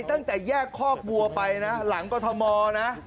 ตั้งแต่แยกคอกวัวไปนะหลังกรทมนะ